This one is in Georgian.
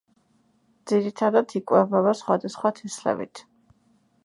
ძირითადად იკვებება სხვადასხვა თესლებით.